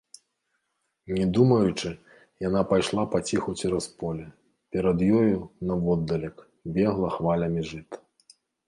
Не думаючы, яна пайшла паціху цераз поле, перад ёю, наводдалек, бегла хвалямі жыта.